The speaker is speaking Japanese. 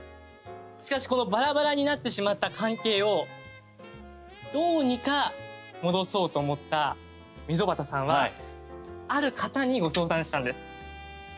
しかしこのバラバラになってしまった関係をどうにか戻そうと思った溝端さんはある方にご相談したんです。